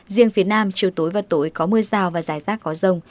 riêng phía nam chiều tối và tối có mưa rào và giải rác có rồng